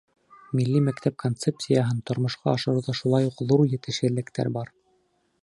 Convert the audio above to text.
Милли мәктәп концепцияһын тормошҡа ашырыуҙа шулай уҡ ҙур етешһеҙлектәр бар.